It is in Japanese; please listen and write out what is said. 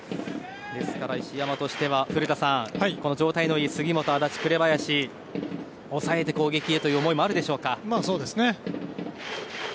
ですから石山としては古田さん、状態のいい杉本、安達、紅林を抑えて攻撃へという思いもあるでしょうか。